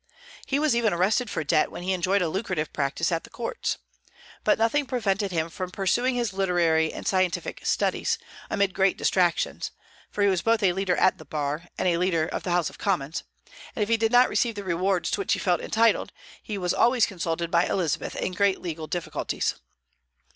He was even arrested for debt when he enjoyed a lucrative practice at the courts. But nothing prevented him from pursuing his literary and scientific studies, amid great distractions, for he was both a leader at the bar and a leader of the House of Commons; and if he did not receive the rewards to which he felt entitled, he was always consulted by Elizabeth in great legal difficulties.